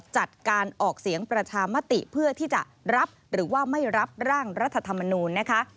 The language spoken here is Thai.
จัดการออกเสียงประชามติเพื่อที่จะรับหรือว่าไม่รับร่างรัฐธรรมนูลนะคะ